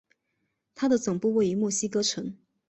它的总部位于墨西哥城。